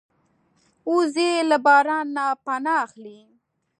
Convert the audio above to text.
وزې له باران نه پناه اخلي